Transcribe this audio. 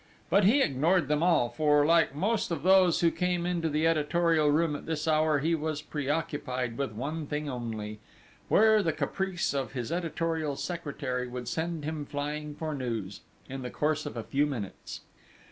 But he ignored them all; for, like most of those who came into the editorial room at this hour, he was preoccupied with one thing only where the caprice of his editorial secretary would send him flying for news, in the course of a few minutes?